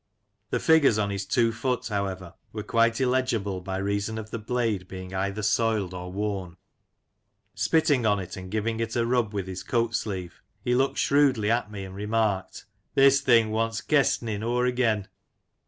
The figures on his two foot, however, were quite illegible by reason of the blade being either soiled or woi;p. . Spitting on 146 Lancashire Characters and Places. it| and giving it a rub with his coat sleeve, he looked shrewdly at me and remarked :*' This thing wants kestnin' o'er again."